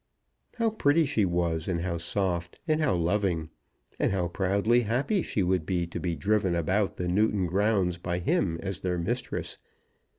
How pretty she was, and how soft, and how loving! And how proudly happy she would be to be driven about the Newton grounds by him as their mistress.